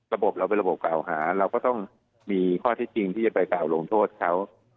ระบบเราเป็นระบบกล่าวหาเราก็ต้องมีข้อเท็จจริงที่จะไปกล่าวลงโทษเขา